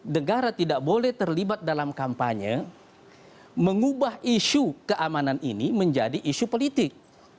negara tidak boleh terlibat dalam kampanye mengubah isu keamanan ini menjadi isu politik